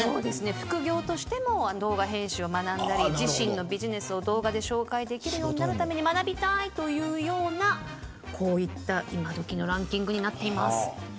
副業としても動画編集を学んだり自身のビジネスを動画で紹介できるようになるために学びたいというようなこういった、今どきのランキングになっています。